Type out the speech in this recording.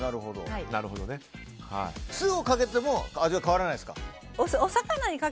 酢をかけても味は変わらないですか。